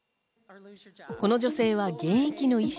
この女性は現役の医師。